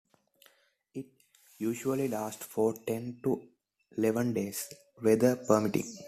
It usually lasts for ten to eleven days, weather permitting.